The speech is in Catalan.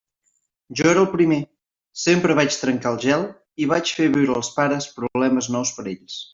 Jo era el primer, sempre vaig trencar el gel i vaig fer viure als pares problemes nous per a ells.